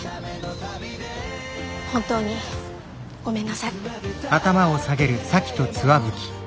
本当にごめんなさい。